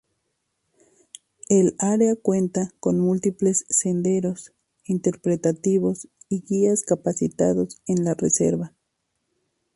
El área cuenta con múltiples senderos interpretativos y guías capacitados en la reserva.